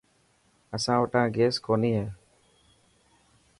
اسان وٽان گيس ڪوني هي.